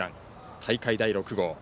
大会第６号。